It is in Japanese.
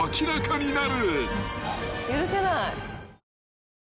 許せない。